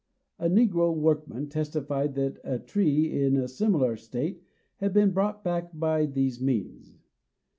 A negro workman testified that a tree in a similar state had been brought back by these means.